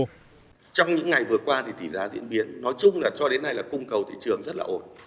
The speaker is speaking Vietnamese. trong những ngày vừa qua thì tỷ giá diễn biến nói chung là cho đến nay là cung cầu thị trường rất là ổn